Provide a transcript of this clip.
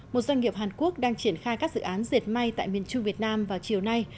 một doanh nghiệp hàn quốc đang triển khai các dự án diệt may tại miền trung việt nam vào chiều nay